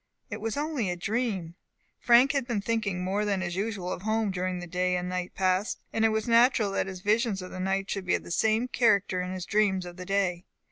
It was only a dream. Frank had been thinking more than usual of home during the day and night past, and it was natural that his visions of the night should be of the same character with his dreams of the day.